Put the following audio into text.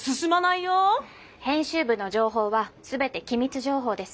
編集部の情報は全て機密情報です。